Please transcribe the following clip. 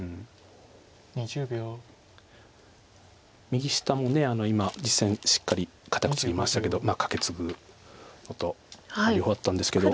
右下も今実戦しっかり堅くツギましたけどカケツグことがよかったんですけど。